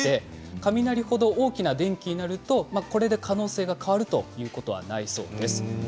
雷ほど大きな電気になるとこれで可能性が変わることはないそうです。